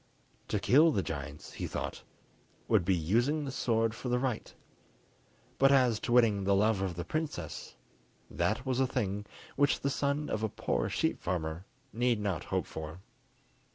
To kill the giants, he thought, would be using the sword for the right; but as to winning the love of the princess, that was a thing which the son of a poor sheep farmer need not hope for.